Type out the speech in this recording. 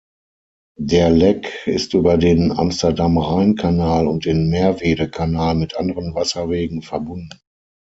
Der Lek ist über den Amsterdam-Rhein-Kanal und den Merwede-Kanal mit anderen Wasserwegen verbunden.